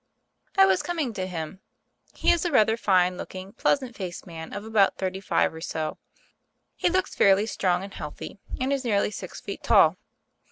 "I was coming to him. He is a rather fine looking, pleasant faced man of about thirty five or so. He looks fairly strong and healthy ; and is nearly six feet tall.